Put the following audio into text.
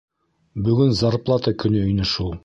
Бөгөн зарплата көнө ине шул.